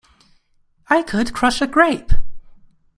I could crush a grape!!.